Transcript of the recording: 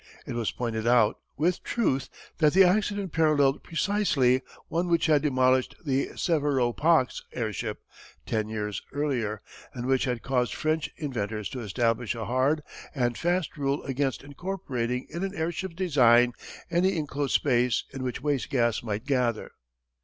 It was pointed out, with truth, that the accident paralleled precisely one which had demolished the Severo Pax airship ten years earlier, and which had caused French inventors to establish a hard and fast rule against incorporating in an airship's design any inclosed space in which waste gas might gather.